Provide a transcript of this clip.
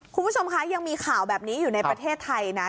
คุณผู้ชมคะยังมีข่าวแบบนี้อยู่ในประเทศไทยนะ